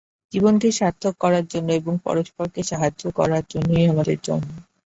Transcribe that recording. জীবনকে সার্থক করার জন্য এবং পরস্পরকে সাহায্য করার জন্যই আমাদের জন্ম।